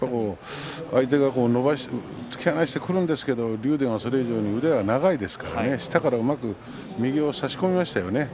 相手も突き放してくるんですけれども、竜電がそれ以上に腕が長いですから下からうまく右を差し込みましたよね。